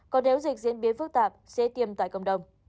còn nếu dịch diễn biến phức tạp dễ tiêm tại cộng đồng